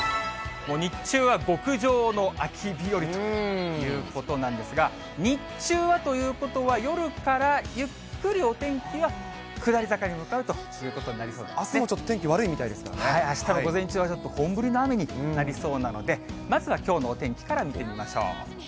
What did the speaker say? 日中は極上の秋日和ということなんですが、日中はということは夜からゆっくりお天気は下り坂に向かうというあすもちょっと天気悪いみたあしたも午前中はちょっと本降りの雨になりそうなので、まずはきょうのお天気から見てみましょう。